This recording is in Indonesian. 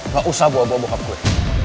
gak usah bawa bawa bokap gue